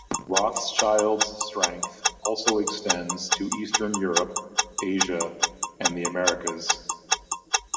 Rothschild's strength also extends to Eastern Europe, Asia and the Americas.